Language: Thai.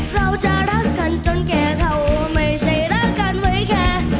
เราจะรักกันจนแก่เท่าไม่ใช่รักกันไว้แค่